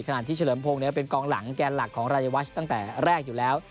ขณะที่เฉลิมพงศ์เป็นกองหลังแกนหลักของรายวัชตั้งแต่แรกอยู่แล้ว